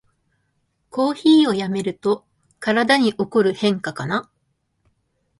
コーヒーをやめると体に起こる変化かな